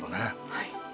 はい。